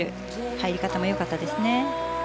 入り方もよかったですね。